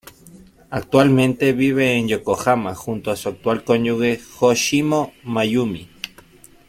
Actualmente vive en Yokohama junto a su actual cónyuge Hoshino Mayumi.